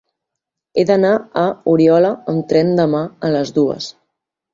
He d'anar a Oriola amb tren demà a les dues.